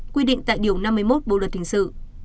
quy định tại điều năm mươi một bộ luật hình sự